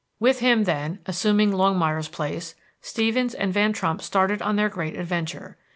With him, then, assuming Longmire's place, Stevens and Van Trump started on their great adventure.